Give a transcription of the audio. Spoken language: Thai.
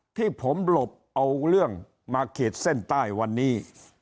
แต่ว่าที่ผมหลบเอาเรื่องมาเขียนเส้นใต้วันนี้